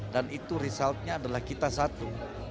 dan itu resultnya adalah kita satu